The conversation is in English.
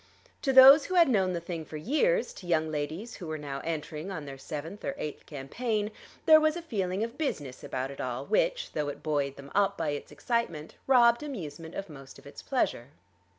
To those who had known the thing for years, to young ladies who were now entering on their seventh or eighth campaign, there was a feeling of business about it all which, though it buoyed them up by its excitement, robbed amusement of most of its pleasure.